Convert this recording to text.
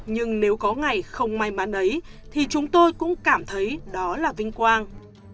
nhưng nếu có ngày không may mắn ấy thì chúng tôi cũng cảm thấy đó là vinh quang